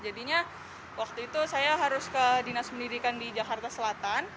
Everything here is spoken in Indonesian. jadinya waktu itu saya harus ke dinas pendidikan di jakarta selatan